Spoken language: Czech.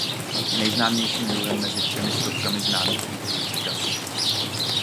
Je nejznámějším druhem mezi třemi stovkami známých druhů cykasů.